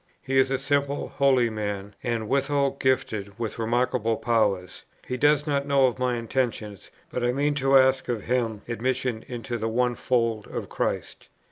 "He is a simple, holy man; and withal gifted with remarkable powers. He does not know of my intention; but I mean to ask of him admission into the One Fold of Christ....